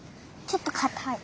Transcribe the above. ちょっとかたい。